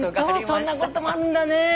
そんなこともあるんだね。